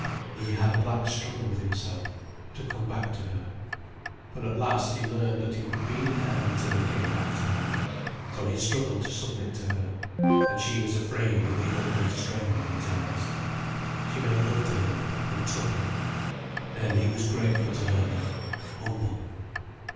He had a black struggle with himself, to come back to her. For at last he learned that he would be in hell until he came back to her. So he struggled to submit to her, and she was afraid of the ugly strain in his eyes. She made love to him, and took him. Then he was grateful to her love, humble.